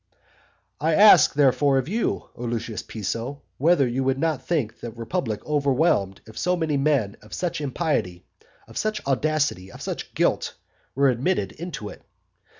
VII. I ask, therefore, of you, O Lucius Piso, whether you would not think the republic overwhelmed if so many men of such impiety, of such audacity, and such guilt, were admitted into it?